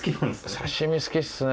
刺し身好きっすね